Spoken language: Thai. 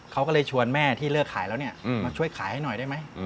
เขาก็เลยชวนแม่ที่เลิกขายแล้วเนี่ยมาช่วยขายให้หน่อยได้ไหม